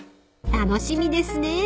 ［楽しみですね］